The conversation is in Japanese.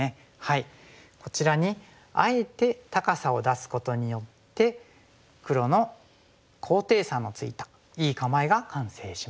こちらにあえて高さを出すことによって黒の高低差のついたいい構えが完成します。